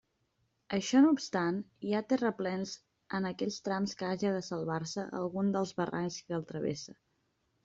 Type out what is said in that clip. Això no obstant, hi ha terraplens en aquells trams que haja de salvar-se algun dels barrancs que el travessa.